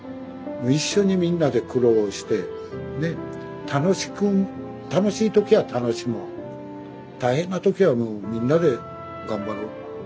一緒にみんなで苦労してね楽しく楽しい時は楽しもう大変な時はもうみんなで頑張ろう。